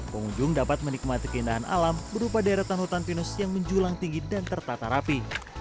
pengunjung dapat menikmati keindahan alam berupa deretan hutan pinus yang menjulang tinggi dan tertata rapi